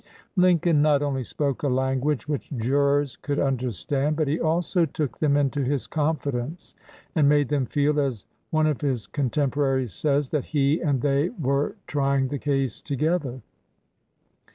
Lincoln not only spoke a language which jurors could understand, but he also took them into his confidence and made them feel, as one of his contemporaries says, that he and they were trying the case together.